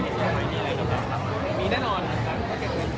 มีแน่นอนมีแน่นอนถ้าเกรดเพลงแขนอย่างนี้